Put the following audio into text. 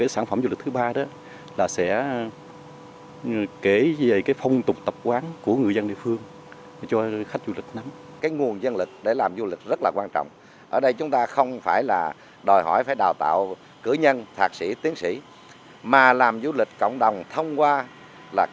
sản phẩm du lịch thứ ba là sản phẩm du lịch thứ ba là sản phẩm du lịch thứ ba là sản phẩm du lịch thứ ba là sản phẩm du lịch thứ ba